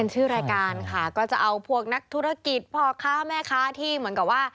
ชื่อรายการค่ะก็จะเอาพวกนักธุรกิจพ่อค้าแม่ค้าที่เหมือนกับว่า